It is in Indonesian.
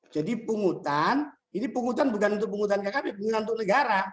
jadi pungutan ini pungutan bukan untuk pungutan kkp ini pungutan untuk negara